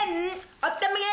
おったまげ！